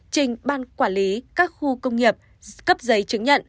trình ban quản lý các khu công nghiệp cấp giấy chứng nhận